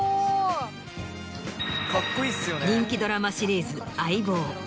人気ドラマシリーズ『相棒』。